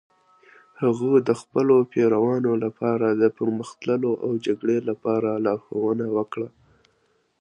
هغه د خپلو پیروانو لپاره د پرمخ تللو او جګړې لپاره لارښوونه وکړه.